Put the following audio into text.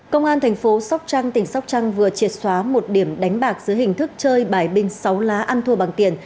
công an thành phố sóc trăng tỉnh sóc trăng vừa triệt xóa một điểm đánh bạc dưới hình thức chơi bài binh sáu lá ăn thua bằng tiền